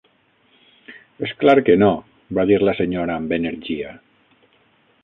"És clar que no", va dir la senyora amb energia.